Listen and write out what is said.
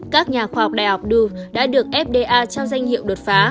các nhà khoa học đại học du đã được fda trao danh hiệu đột phá